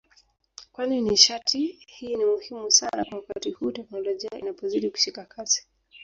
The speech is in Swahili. kwani nishati hii ni muhimu sana kwa wakati huu teknolojia inapozidi kushika kasi